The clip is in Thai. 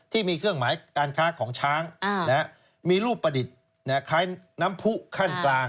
ที่มีเครื่องหมายการค้าของช้างมีรูปประดิษฐ์คล้ายน้ำผู้ขั้นกลาง